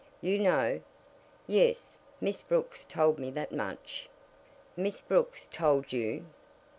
"You know?" "Yes; Miss Brooks told me that much." "Miss Brooks told you!"